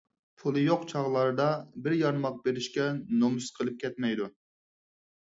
پۇلى يوق چاغلاردا بىر يارماق بېرىشكە نومۇس قىلىپ كەتمەيدۇ.